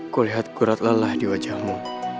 kulihat kurat lelah di wajahmu